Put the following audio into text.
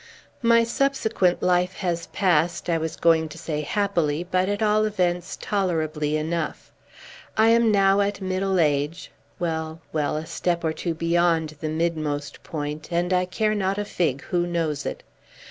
My subsequent life has passed, I was going to say happily, but, at all events, tolerably enough. I am now at middle age, well, well, a step or two beyond the midmost point, and I care not a fig who knows it!